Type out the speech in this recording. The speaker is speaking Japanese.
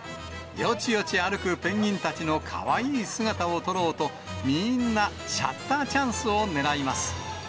よちよち歩くペンギンたちのかわいい姿を撮ろうと、みんなシャッターチャンスをねらいます。